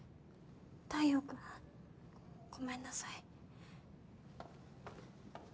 太陽君ごめんなさい。